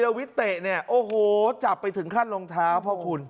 แล้ววิเตะเนี่ยโอ้โหจับไปถึงขั้นรองเท้าพ่อคุณ